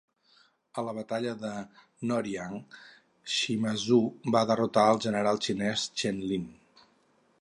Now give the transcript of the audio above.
A la batalla de Noryang, Shimazu va derrotar al general xinès Chen Lin.